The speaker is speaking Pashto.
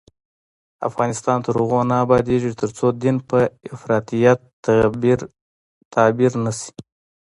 افغانستان تر هغو نه ابادیږي، ترڅو دین په افراطیت تعبیر نشي.